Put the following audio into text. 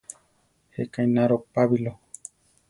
Jéka ináro Pabilo.